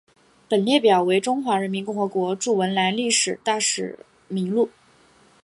本列表为中华人民共和国驻文莱历任大使名录。